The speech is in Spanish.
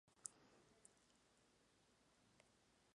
Este experiencia marcó su vida y personalidad.